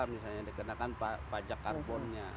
misalnya dikenakan pajak carbonnya